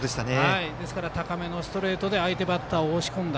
ですから高めのストレートで相手バッターを押し込んだ。